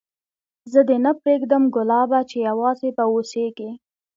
زه دي نه پرېږدم ګلابه چي یوازي به اوسېږې